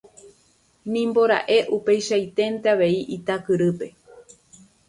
Nimbora'e upeichaiténte avei Itakyrýpe.